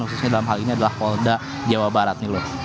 khususnya dalam hal ini adalah polda jawa barat